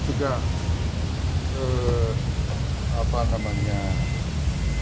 buka bersama itu paling takut